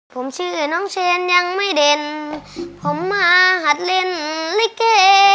ผมชื่อน้องเชนยังไม่เด่นผมมาหัดเล่นลิเก